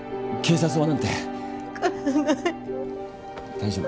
大丈夫。